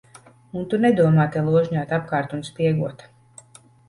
Un tu nedomā te ložņāt apkārt un spiegot.